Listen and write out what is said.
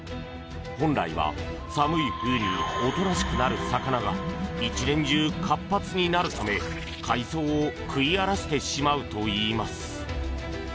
本来は、寒い冬におとなしくなる魚が１年中、活発になるため海藻を食い荒らしてしまうといいます。